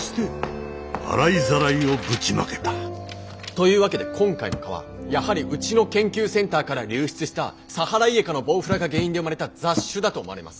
というわけで今回の蚊はやはりうちの研究センターから流出したサハライエカのボウフラが原因で生まれた雑種だと思われます。